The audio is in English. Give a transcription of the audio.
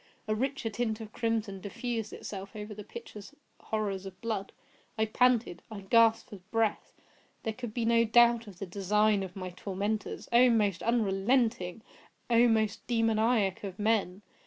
A richer tint of crimson diffused itself over the pictured horrors of blood. I panted! I gasped for breath! There could be no doubt of the design of my tormentors—oh! most unrelenting! oh! most demoniac of men!